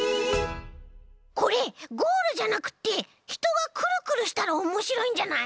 これゴールじゃなくってひとがクルクルしたらおもしろいんじゃない？